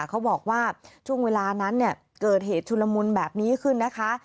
เขาบอกว่าช่วงเวลานั้นเนี่ยเกิดเหตุชุลมุนแบบนี้ขึ้นนะคะ